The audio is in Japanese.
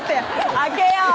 「開けようよ」